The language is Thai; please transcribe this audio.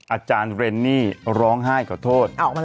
อาจารย์เรนนี่ร้องไห้ขอโทษ